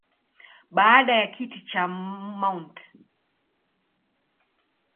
Baada ya kiti cha Mt.